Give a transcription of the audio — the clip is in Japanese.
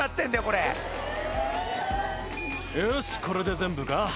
これ・よしこれで全部か？